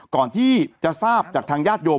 ก่อนที่จะทราบจากทางญาติโยม